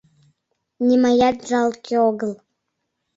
Нимаят жалке огыл...